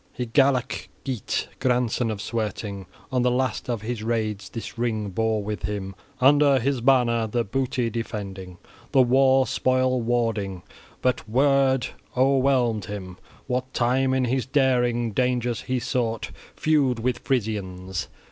Hygelac Geat, grandson of Swerting, on the last of his raids this ring bore with him, under his banner the booty defending, the war spoil warding; but Wyrd o'erwhelmed him what time, in his daring, dangers he sought, feud with Frisians.